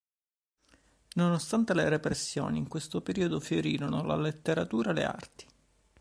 Nonostante le repressioni, in questo periodo fiorirono la letteratura e le arti.